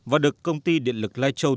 và được công ty điện lực lai châu